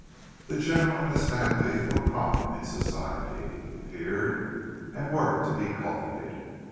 The General and his family were prominent in society, it appeared, and were to be cultivated.